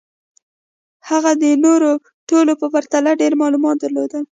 هغه د نورو ټولو په پرتله ډېر معلومات درلودل